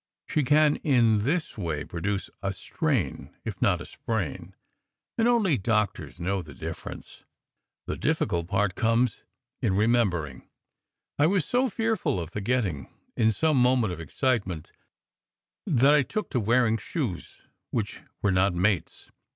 She can in this way produce a "strain," if not a "sprain"; and only doctors know the difference. The difficult part comes in remem bering to limp. I was so fearful of forgetting in some mo ment of excitement, that I took to wearing shoes which were not mates.